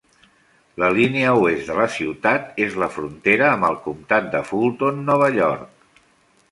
La línia oest de la ciutat és la frontera amb el comtat de Fulton, Nova York.